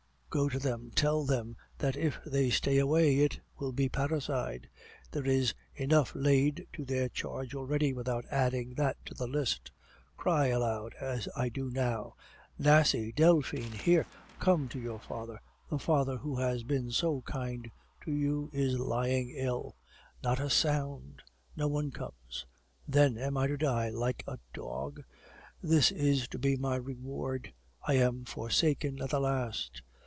Go to them; just tell them that if they stay away it will be parricide! There is enough laid to their charge already without adding that to the list. Cry aloud as I do now, 'Nasie! Delphine! here! Come to your father; the father who has been so kind to you is lying ill!' Not a sound; no one comes! Then am I to die like a dog? This is to be my reward I am forsaken at the last.